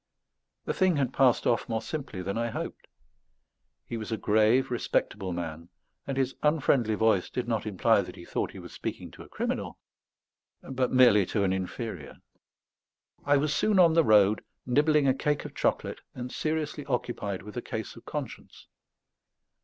The thing had passed off more simply than I hoped. He was a grave, respectable man; and his unfriendly voice did not imply that he thought he was speaking to a criminal, but merely to an inferior. I was soon on the road, nibbling a cake of chocolate and seriously occupied with a case of conscience.